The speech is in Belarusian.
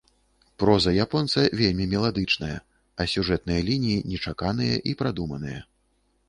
Проза японца вельмі меладычная, а сюжэтныя лініі нечаканыя і прадуманыя.